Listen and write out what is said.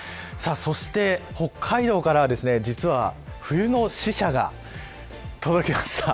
そして、北海道からは、実は冬の使者が届きました。